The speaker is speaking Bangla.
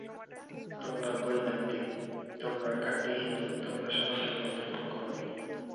তোমরা বৈদান্তিক, তোমরা খাঁটি হিন্দু, তোমরা সনাতন পন্থার পক্ষপাতী।